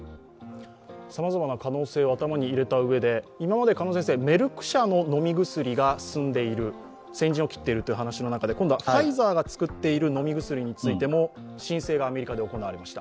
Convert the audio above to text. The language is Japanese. さまざまな可能性を頭に入れたうえでメルク社の開発が進んでいる、先陣を切っているという話の中で、今度はファイザーが作っている飲み薬についても申請がアメリカで行われました。